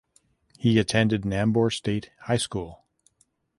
He attended Nambour State High School.